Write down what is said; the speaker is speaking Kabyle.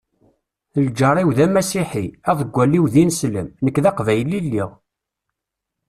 Lǧar-iw d amasiḥi, aḍeggal-iw d ineslem, nekk d aqbayli i lliɣ.